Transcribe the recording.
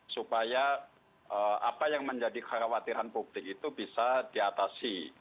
supaya apa yang menjadi kekhawatiran publik itu bisa diatasi